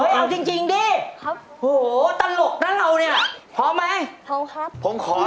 เฮ้ยเอาจริงดิโหตลกนะเราเนี่ยพร้อมไหมพร้อมครับ